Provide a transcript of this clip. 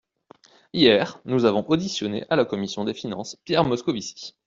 Hier, nous avons auditionné à la commission des finances Pierre Moscovici.